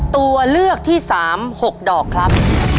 ตัวเลือกที่๓๖ดอกครับ